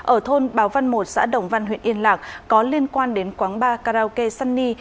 ở thôn bào văn một xã đồng văn huyện yên lạc có liên quan đến quán bar karaoke sunny